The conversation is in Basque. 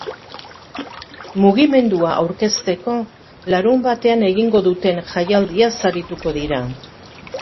Mugimendua aurkezteko larunbatean egingo duten jaialdiaz arituko dira.